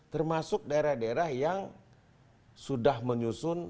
termasuk daerah daerah yang sudah menyusun